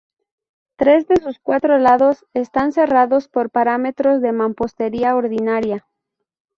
Tres de sus cuatro lados están cerrados por parámetros de mampostería ordinaria.